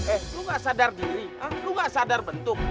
eh lo ga sadar diri lo ga sadar bentuk